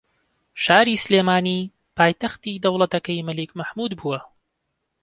شاری سلێمانی پایتەختی دەوڵەتەکەی مەلیک مەحموود بووە